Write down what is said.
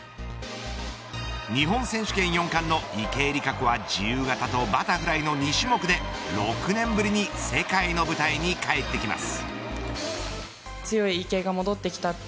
日本選手権４冠の池江璃花子は自由形とバタフライの２種目で６年ぶりに世界の舞台に帰ってきます。